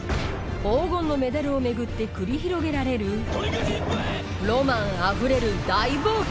黄金のメダルを巡って繰り広げられるロマンあふれる大冒険！